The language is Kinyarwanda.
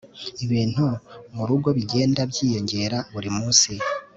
ibintu murugo bigenda byiyongera buri munsi